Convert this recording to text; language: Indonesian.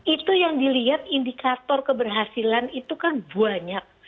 itu yang dilihat indikator keberhasilan itu kan banyak